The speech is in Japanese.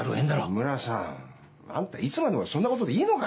村さんあんたいつまでもそんなことでいいのか！？